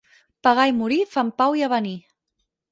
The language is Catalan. Pagar i morir fan pau i avenir.